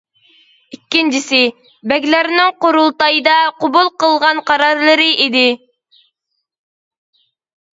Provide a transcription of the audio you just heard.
ئىككىنچىسى، بەگلەرنىڭ قۇرۇلتايدا قوبۇل قىلغان قارارلىرى ئىدى.